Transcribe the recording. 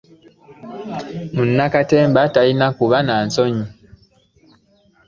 Munnakatemba talina kuba na nsonyi.